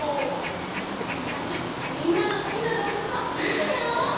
きょうのうたにみんなのすきなどうぶつはいるかな？